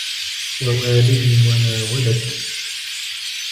وَوَالِدٍ وَمَا وَلَدَ